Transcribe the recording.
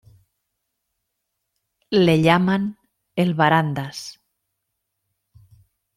Le llaman "el barandas".